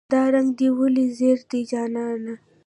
"دا رنګ دې ولې زیړ دی جانانه".